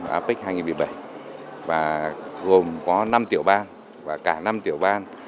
vào apec hai nghìn một mươi bảy và gồm có năm tiểu ban và cả năm tiểu ban